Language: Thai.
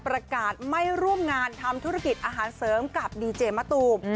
ประกาศไม่ร่วมงานทำธุรกิจอาหารเสริมกับดีเจมะตูม